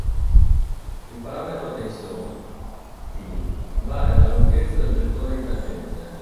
Il parametro "tension", "t", varia la lunghezza del vettore di tangente.